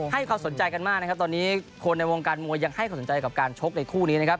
ให้ความสนใจกันมากนะครับตอนนี้คนในวงการมวยยังให้ความสนใจกับการชกในคู่นี้นะครับ